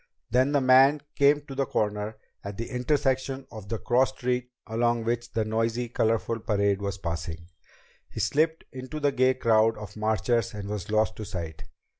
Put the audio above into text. Then the man came to the corner, at the intersection of the cross street along which the noisy, colorful parade was passing. He slipped into the gay crowd of marchers and was lost to sight.